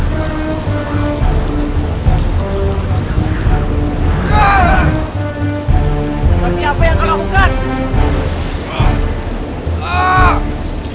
tapi apa yang kau lakukan